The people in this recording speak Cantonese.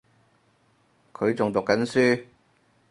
佢仲讀緊書